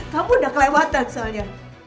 kamu udah kelewatan soalnya